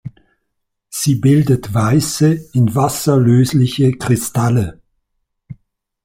Sie bildet weiße, in Wasser lösliche Kristalle.